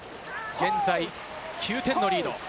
現在９点のリード。